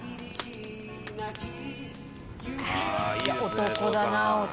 「男だな男！」